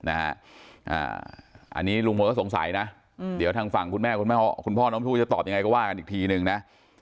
อันนี้ลุงพลก็สงสัยนะเดี๋ยวทางฝั่งคุณแม่คุณพ่อน้องชมพู่จะตอบยังไงก็ว่ากันอีกทีนึงนะ